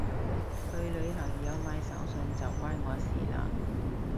去旅行有買手信就關我事嘞